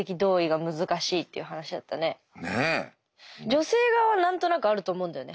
女性側は何となくあると思うんだよね。